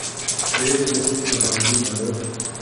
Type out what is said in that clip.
face بک سماجی مدد